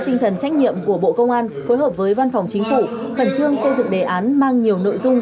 tinh thần trách nhiệm của bộ công an phối hợp với văn phòng chính phủ khẩn trương xây dựng đề án mang nhiều nội dung